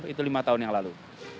itu lima tahun yang lalu